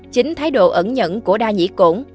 chính thái độ ẩn nhẫn của đa nhĩ cổn